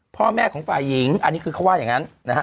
พ่อแม่ของฝ่ายหญิงอันนี้คือเขาว่าอย่างนั้นนะฮะ